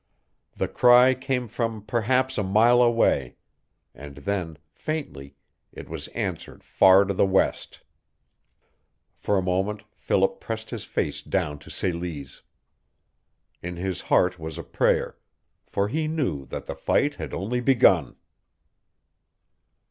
The cry came from perhaps a mile away. And then, faintly, it was answered far to the west. For a moment Philip pressed his face down to Celie's. In his heart was a prayer, for he knew that the fight had only begun.